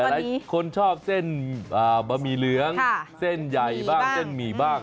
หลายคนชอบเส้นบะหมี่เหลืองเส้นใหญ่บ้างเส้นหมี่บ้าง